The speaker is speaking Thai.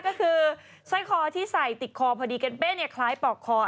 ก็คือใส้คอที่ใส่ติดคอพอดีเกรนเป้นคล้ายปอกคอ